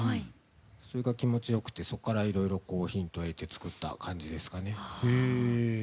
それが気持ち良くてそこからヒントを得て作った感じですかね。